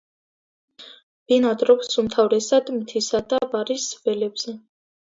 ბინადრობს, უმთავრესად მთისა და ბარის ველებზე.